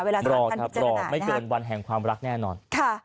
เวลาทางพันธุ์เจนต่างนะครับค่ะค่ะรอไม่เกินวันแห่งความรักแน่นอน